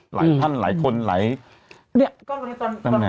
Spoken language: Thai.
หลายท่านหลายคนหลาย